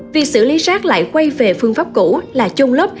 việc xử lý rác lại quay về phương pháp cũ là chôn lấp